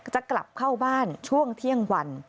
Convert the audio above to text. จะกลับเข้าบ้านช่วงเที่ยงวัน